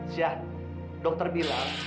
siap dokter bilang